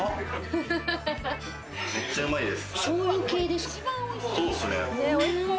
めっちゃうまいです！